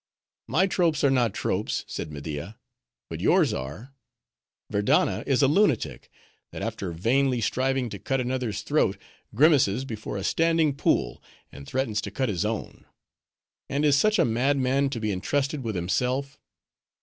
"My tropes are not tropes," said Media, "but yours are.—Verdanna is a lunatic, that after vainly striving to cut another's throat, grimaces before a standing pool and threatens to cut his own. And is such a madman to be intrusted with himself?